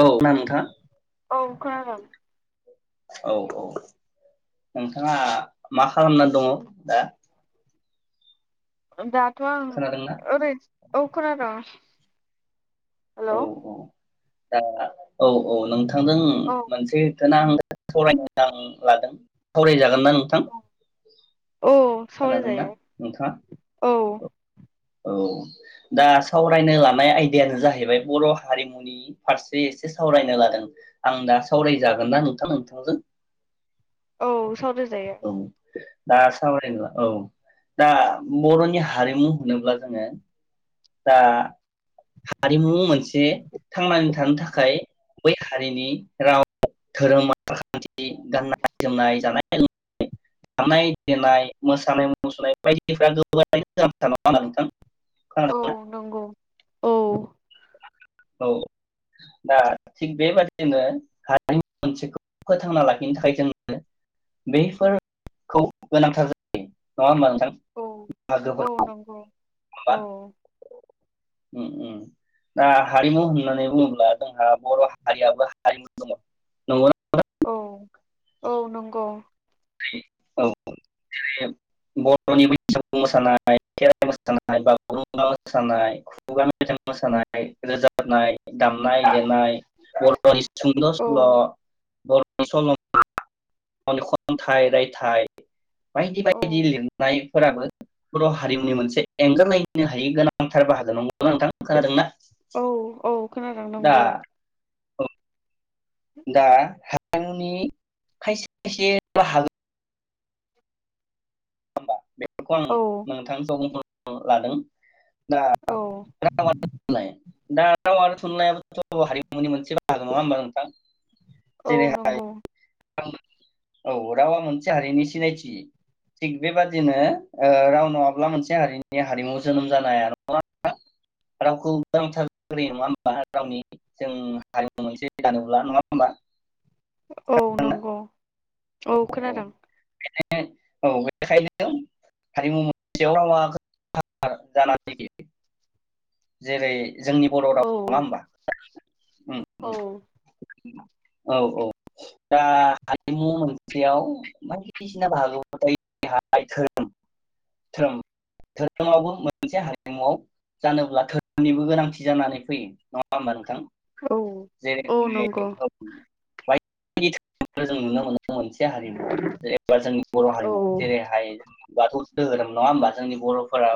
औ ना नोंथां औ खोनादों। औ औ नोंथाङा मा खालामना दङ दा। ओ दा। थ' आं खोनादोंना ओरै ओ खोनादों। हेल' औ औ। दा औ औ नोंथ थांदों औ मोनसे। आं सावरायनो आं लादों सावरायजाग औ खोनादोंना सावरायजायो नोंथाङा औ। औ दा सावरायनो लानाय आयदायानो जाहैबाय बर' हारिमुनि फारसे एसे सावरायनो लादों आं दा सावरायजागोन ना नोंथां नोंथांजों? औ सावरायज जायो। औ दा सावरायबा औ दा बर'नि हारिमु होनोब्ला जोङो। दा। हारिमु मोनसे थांनानै थानो थाखाय बै हारिनि राव धोरोम, आसार खान थि गाननाय जोमनाय जानाय दानाय देनाय मोसानाय मुसुरनाय बायदिफ्रा गोैबारै जाथार नङा होनाबा नोंथां औ खोनादोंना नंगौ औ औ दा थिग बेबादिनो हारि मोनसेखौ फोथांना लाखिनो थाखाय जोङो बेैफोरखौ गोनांथार जायो नङा होमबा नों औ औ नंगौ होमबा औ उम उम दा हारिमु होननानै बुङोब्ला जोंहा बर' हारियाबो हारिमु दङ नंगौना। औ औ नंगौ औ जेरै बर'नि बैसागु मोसानाय खेराइ मोसानाय बागुरुमा मोसानाय खुगा मेथाइ मोसानाय रोजाबनाय दामनाय देनाय बर'नि सुंद' औ सल' बर'नि सल'मा गावनि खन्थाइ रायथाइ बायदि औ बायदि लिरनाय फोराबो बर' हारिमुनि मोनसे एंगारलायनो हायै गोनांथार बाहागो नंगौ नोंथां खोनादों ना औ औ खोनादों नंगौ दा हा आंनि खायसे खायसे राहा [unintelligible] खौ आं औ नोंथांखौ [unintelligible] औ लादों दा औ राव आरो थुनलाइ दा राव आरो थु थुनलायाबाथ' हारिमुनि मोनसे बागो नङा होमबा नोंथां? औ जेरैहाय नंगौ औ रावा मोनसे हारिनि सिनायथि थिग बेबादिनो ओ राव नङाब्ला मोनसे हारिनि हारिमु जोनोम जानाय नङा रावखौ नांथारग्रोयो नङा होनबा रावनि जों हारिमु मोनसे जानोब्ला नङा होनबा? औ नंगौ औ खोनादों औ बेेखायनो हारिमु मोनसेयाव रावा गो नांथार जाना फैयो। जेरै जोंनि बर' राव औ नङा होमबा? औ औ औ दा हारिमु मोनसेयाव बायदिसिना बाहागोफोर थायो धोरोम धोरोमावबो मोनसे हारिमुआव जानोब्ला धोरोमनिबो गोनांथि जानानै फैयो नङा होमबा नोंथां? औ जेरै औ नंगौ [unintelligible] जों नुनो मोनो। मोनसे हारिमु जेनेबा जोंनि बर' औ हारिमु जेरैहाय बाथौ धोहोरोम नङा होमबा जोंनि बर'फोरा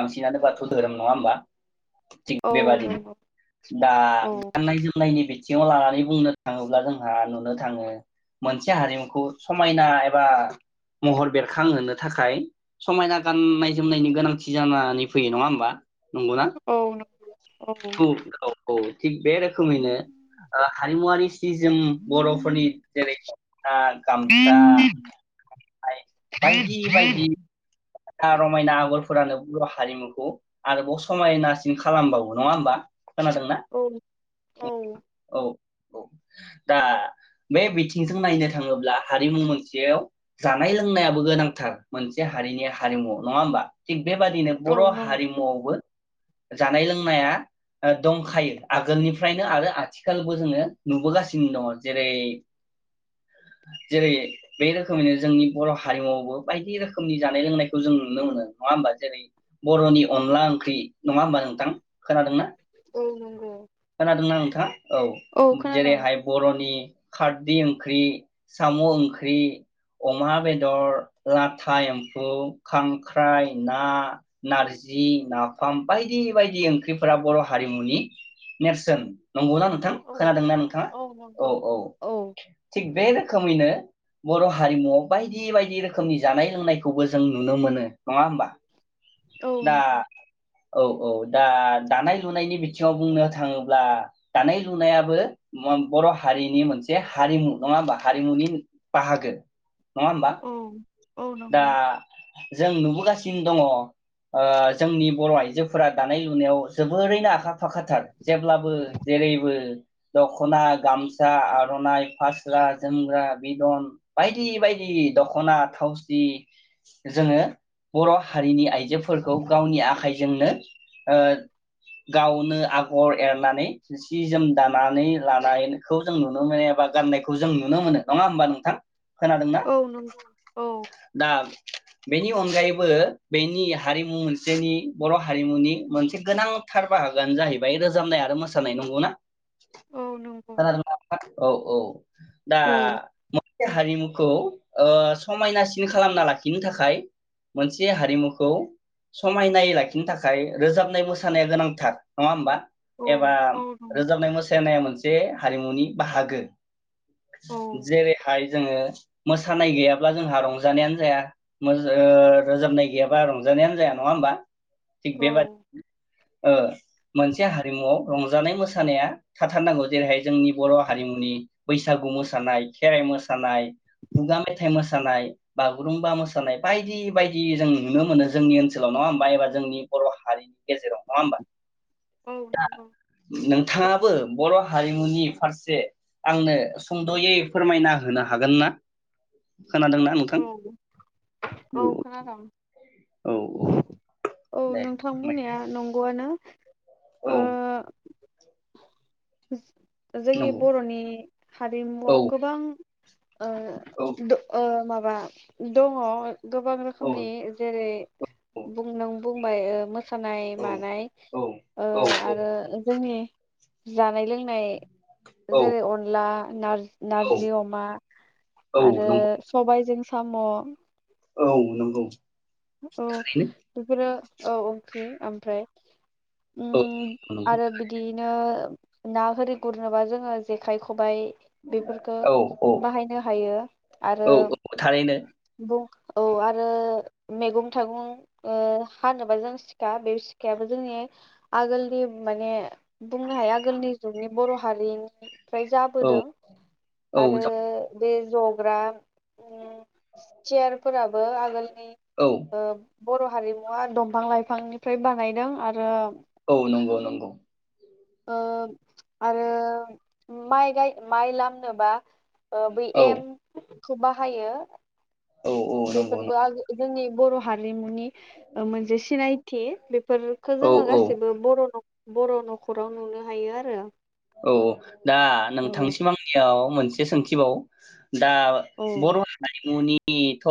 बांसिनानो बाथौ धोरोम नङा होमबा थिग औ बेबादि नंगौ दा औ गाननाय जोमनायनि बि थिङाव लानानै बुंनो थाङोब्ला जोंहा नुनो थाङो मोनसे हारिमुखौ समायना एबा महर बेरखांहोनो थाखाय समायना गाननाय जोमनायनि गोनांथि जानानै फैयो नङा होमबा नंगौना? औ [unintelligible] औ थिग बे औ रोखोमैनो ओ हारिमुवारि सि जोम बर'फोरनि जेरै [unintelligible] गामसा बायदि बायदि। रमायना आगरफोरानो बर' हारिमुखौ आरोबाव समायनासिन खालामबावो नङा होमबा खोनादोंना औ औ औ औ दा बे बिथिंजों नायनो थाङोब्ला हारिमु मोनसेयाव जानाय लोंनायाबो गोनांथार मोनसे हारिनि हारिमु नङा होमबा थिग बेबादिनो औ बर' नं हारिमुआवबो जानाय लोंनाया ओ दंखायो आगोलनिफ्रायनो आरो आथिखालबो जोङो नुबोगासिनो दङ जेरै जेरै बे रोखोमैनो जोंनि बर' हारिमुावबो बायदि रोखोमनि जानाय लोंनाय खौ जों नुनो मोनो नङा होनबा जेरै बर'नि अनला ओंख्रि नङा होमबा नोंथां खोनादोंना औ नंगौ खोनादोंना नों दा औ जेरैहाय बर'नि खारदै ओंख्रि, साम' ओंख्रि, अमा बेदर, लाथा एम्फौ खांख्राइ, ना, नारजि, नाफाम बायदि बायदि ओंख्रिफोरा बर' हारिमुनि नेरसोन। नंगौना नोंथां औ खोनादोंना नोंथाङा औ औ थिग बे रोखोमैनो बर' हारिमुआव बायदि बायदि रोखोमनि जानाय लोंनायखौबो जों नुनो मोनो नङा होमबा औ दा नंगौ औ औ दा दानाय लुनायनि बिथिङाव बुंनो थाङोब्ला दानाय लुनायाबो मन बर' हारिनि मोनसे हारिमु नङा हा हारिमुनि बाहागो नङा होमबा औ औ दा नंगौ जों नुबोगासिनो दङ ओ जोंनि बर' आइजोफोरा दानाय लुनायाव जोबोरैनो आखा फाखाथार जेब्लाबो जेरैबो दख'ना, गामसा, आर'नाइ, फास्रा, जोमग्रा, बिदन बायदि बायदि दख'ना थावस दि जोङो बर' हारिनि आइ जोफोरखौ गावनि आखाइ जोंनो ओ गावनो आगर एरनानै जि-जोम दानानै लानायखौ जों नुनो मोनो एबा गाननायखौ जों नुनो मोनो। नङा होमबा नोंथां खोनादोंना औ नंगौ औ दा बेनि अनगायैबो बेनि हारिमु मोनसेनि बर' हारिमुनि मोनसे गोनांथार बाहागोआनो जाहैबाय रोजाबनाय आरो मोसानाय नंगौना औ नंगौ खोनादों ना नोंथां औ औ दा औ हारिमुखौ ओ समायनासि सिन खालामना लाखिनो थाखाय मोनसे हारिमुखौ समायनायै लाखिनो थाखाय रोजाबनाय मोसानाया गोनांथार नङा होमबा? औ एबा औ नं रोजाबनाय मोस सानाया मोनसे हारिमुनि बाहागो औ जेरैहाय जोङो मोसानाय गैयाब्ला जोंहा रं जानायानो जाया मोज ओ रोजाबनाय गैयाबा रंजानायानो जाया नङा होमबा? थिग औ बेबादि ओ मोनसे हारिमुआव रंजानाय मोसानाया थाथारनांगौ जेरैहाय जोंनि बर' हारिमुनि, बैसागु मोसानाय, खेराइ मोसानाय, खुगा मेथाइ मोसानाय, बागुरुमबा मोसानाय बायदि बायदि जों नुनो मोनो जोंनि ओनसोलाव नङा होमबा एबा जोंनि बर' हारिनि गेजेराव नङा होमबा? औ नंगौ थाङाबो बर' हारिमुनि फारसे आंनो सुंद'यै फोरमायना होनो हागोन ना? खोनादोंना औ नोंथां? औ खोनादों। औ औ औ दे नोंथां फोरमाय बुंनाया नंगौआनो। औ ओ [inaudible] जोंनि नंगौ बर'नि औ हारिमुआव गोबां, ओ औ दो ओ माब बा दङ गोबां औ रोखोमनि जेरै औ बुंनं बुंबाय ओ मोस मोसानाय औ मानाय ओ औ औ आरो जोंनि, जानाय लोंनाय, औ जेरै अनला नार औ नारजि अमा औ आरो नंगौ सबायजों साम' औ नंगौ। औ थारैनो बेफोरो औ ओंख्रि ओमफ्राय, उम औ नंगौ आरो बिदियैनो, ना हारि गुरनोबा जोङो जेखाइ, खबाइ बेफोरखो औ औ बाहायनो हायो औ आरोब औ थारैनो बुं औ आरो मैगं थाइगं ओ हानोबा जों सिखा बे सिखायाबो जोंनि आगोलनि माने बुंनो हाया आगोलनि जुगनि बर' हारिनि फ्राय औ जाबोदों औ आरो जा- बे जग्रा उम सियारफोराबो आगोलनि। औ ओब बर' हारिमुआ दंफां लाइफांनिफ्राय बानायदों आरोब औ नंगौ नंगौ ओब आरों माइ गाय माइ लामनोबा ओ बै औ एम खौ बाहायो। औ औ नंगौ बेफोरबो नंगौ आगो जोंनि बर' हारि हारिमुनि ओ मोनसे सिनाय थि बेब बेफोरखो औ जोङो औ गासिबो बर' न'ख बर' न'खराव नुनो हायो आरो औ औ दा नोंथांसिम आांनियाव मोनसे सोंथिबाव।।। दा औ बर' हारिमुनि नि थ'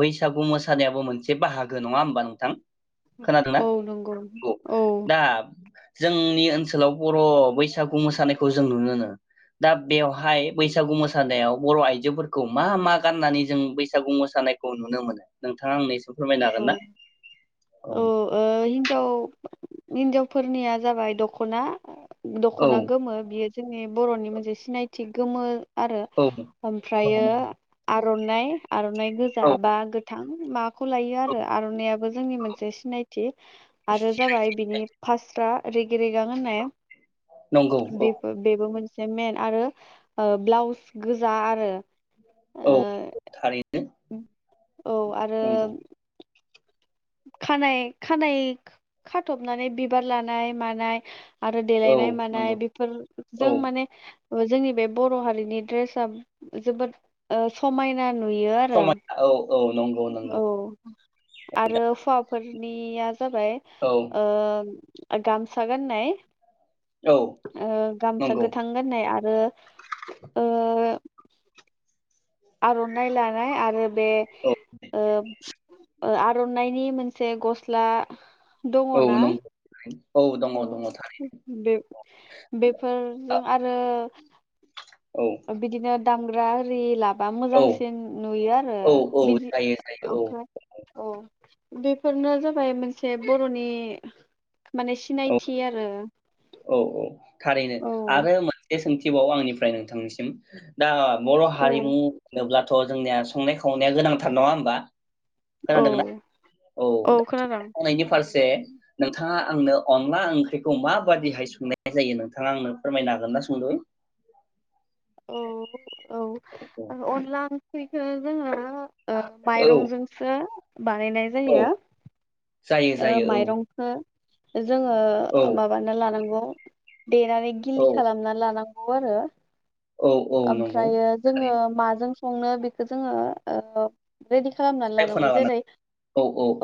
बैसागु मोसानायाबो मोनसे बाहागो नङा होमबा नोंथां? खोनादोंना औ नंगौ औ दा जोंनि ओनसोलाव बर' बै बैसागु मोसानायखौ जों नुनो मोनो दा बेवहाय बैसागु मोसानायाव बर' आइजोफोरखौ मा मा गाननानै जों बैसागु मोसानायखौ नुनो मोनो नोंथाङा आंनो फोरमायनो औ हागोन ना औ ओ हिन्जाव हिन्जावफोरनिया जाबाय दख'ना। औ दख'ना गोमो बियो जोंनि बर'नि मोनसे सिनायथि गोमो आरो औ ओमफ्रायो औ आरननाय। आर'नाइ गोजा औ बा गोथां। मा खौ लायो आरो आर'नाइयाबो जोंनि मोनसे सिनायथि। आरो जाबाय बिनि फास्रा रेगि रिगां होननाया नंगौ औ बे बेबो मोनसे [unintelligible] मेन आरो ब्लाउस गोजा आरो औ ओ थारैनो औ आरो नंगौ खानाय खानायाइ खाथबनानै बिबार लानाय मानाय आरो औ देलायनाय मानाय नंगौ औ बेफोरजों माने जोंनि बे बर' हारिनि ड्रेसा जोबोद ओ समायना नुयो आरो समायना औ औ नंगौ नंगौ औ आरो हुवाफोरनिया जाबाय औ ओ गामसा गान्नाय औ ओ गामसा नंगौ गोथां गाननाय आरो ओ आर'नाइ लानाय आरो बे औ ओ आर'नाइनि मोनसे गस्ला औ दङना नंगौ औ दङ दङ बे बेफोर जों थारैनो आरो औ बिदिनो दामग्रा रि ला बा औ मोजांसिन नुयो आरो औ औ बिजि जायो जायो ओमफ्राय औ औ बेफोरनो जाबाय मोनसे बर'नि माने औ सिनायथि आरो औ औ थारैनो औ आरो मोनसे सोंथि बाव आंनिफ्राय नोंथांनिसिम दा बर' औ हारिमु होनोब्ला थ' जोंनिया संनाय खावनाया गोनांथार नङा होमबा? औ खोनादोंना औ दा संनायनि फारसे नोंथाङा आंनो अनला ओंख्रिखौ माबादिहाय संनाय जायो नोंथाङा आंनो फोरमायनो हागोन ना सुंदयै औ औ अला ख्रिखौ जोङो ओं औ माइरंजोंसो बानायनाय औ जायो जायो ओ जायो माइरंखौ जोङो औ माबानो लानांगौ [inaudible] देनानै गिलि औ खालामना लानां गौ आरो औ औ नंगौ ओमफ्रायो जोङो थारैनो माजों संनो बेखौ जोङो ओ रेडि खालामनानै लानांगौ जेरै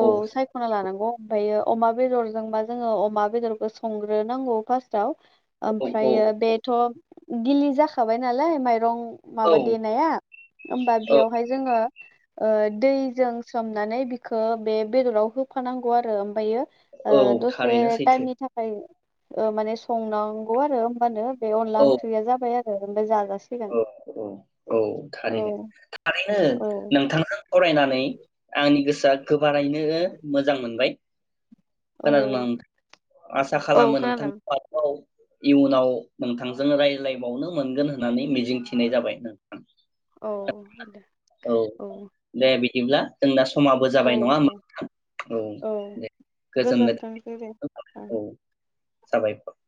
औ सायख'ना लानांगौ ओमफ्रायो अमा बेदरजोंबा जोङो अमा बेदरखौ संग्रोनांगौ फार्स्टआव औ औ ओमफ्रायो बेथ' गिलिजा खांबाय नालाय माइरं औ माबा देनाया होमबा औ बेयावहाय जोङो ओ दैजों सोमनानै बिखौ बे बेदराव होफानांगौ आरो आमफायो औ दसे थारैनो सैथो टाइमनि थाखाय माने संनांगौ आरो होनबानो बे अनला औ ओंख्रिया जाबाय आरो। [unintelligible] औ औ औ औ थारैनो थारैनो औ नोंथांजों सावरायनानै आंनि गोसो गोबारैनो मोजां मोन बाय औ खोनादों नोंथां आसा औ खालामो खोनादों नोंथांङाबोथ' इयुनाव नोंथांजों रायज्लायबावनो मोनगोन होन होननानै मिजिंथिनाय जाबाय नों औे दे औ दिब्ला [unintelligible] समाबो औ जाबाय नङा दे होनबा नोंथा औ दे गोजोननाय गोजोनथोंसै दे। थाबाय ओं औ साबायखर